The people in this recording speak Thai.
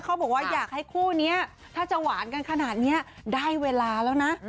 เขาบอกว่าอยากให้คู่นี้ถ้าจะหวานกันขนาดนี้ได้เวลาแล้วนะ